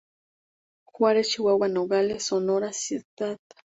Juárez, Chihuahua; Nogales, Sonora; Cd.